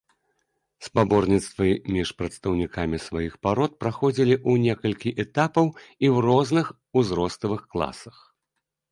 Спаборніцтвы між прадстаўнікамі сваіх парод праходзілі ў некалькі этапаў і ў розных узроставых класах.